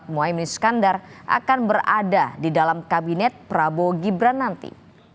muhaymin iskandar akan berada di dalam kabinet prabowo gibran nanti